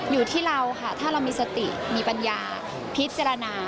อยู่ที่เราค่ะถ้าเรามีสติมีปัญญาพิจารณา